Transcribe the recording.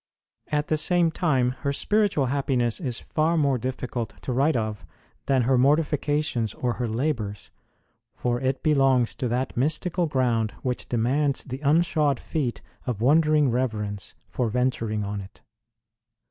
At the same time, her spiritual happiness is far more difficult to write of than her mortifications or her labours, for it belongs to that mystical ground which demands the unshod feet of wonder ing reverence for venturing on it.